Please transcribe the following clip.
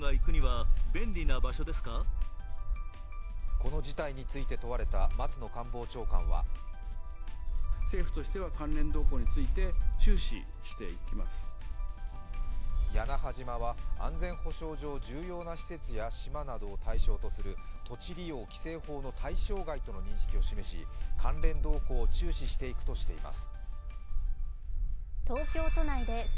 この事態について問われた松野官房長官は屋那覇島は安全保障上重要な施設や島などを対象とする土地利用規制法の対象外との認識を示し、関連動向を注視していくとしています。